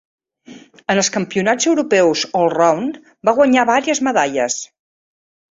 En els campionats europeus allround va guanyar vàries medalles.